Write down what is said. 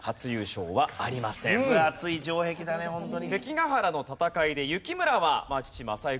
分厚い城壁だねホントに。